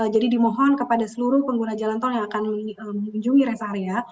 jadi dimohon kepada seluruh pengguna jalan tol yang akan mengunjungi res area